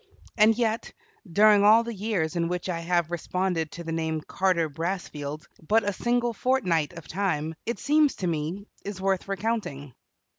And yet, during all the years in which I have responded to the name Carter Brassfield, but a single fortnight of time, it seems to me, is worth recounting.